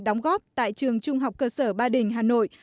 đóng góp tại trường trung học cơ sở ba đình hà nội